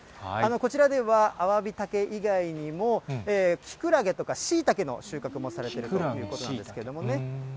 こちらでは、アワビタケ以外にも、キクラゲとかシイタケの収穫もされているということなんですけれどもね。